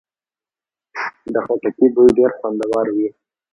د خټکي بوی ډېر خوندور وي.